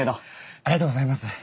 ありがとうございます。